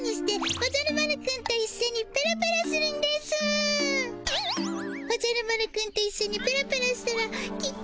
おじゃる丸くんといっしょにペロペロしたらきっと楽しいですぅ。